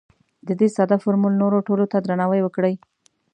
د دې ساده فورمول نورو ټولو ته درناوی وکړئ.